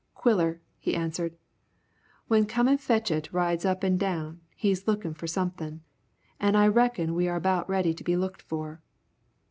"Quiller," he answered, "when Come an' go fetch it rides up an' down, he's lookin' for somethin'. An' I reckon we're are about ready to be looked for."